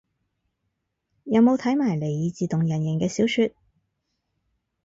有冇睇埋尼爾自動人形嘅小說